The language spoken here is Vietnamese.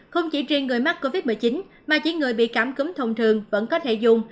không chỉ riêng người mắc covid một mươi chín mà chỉ người bị cảm cúm thông thường vẫn có thể dùng